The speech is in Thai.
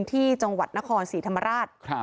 ที่จังหวัดนครศรีธรรมราช